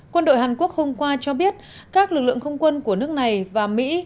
quân đội hàn quốc hôm qua cho biết các lực lượng không quân của nước này và mỹ